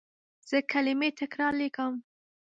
زه کلمې تکرار لیکم.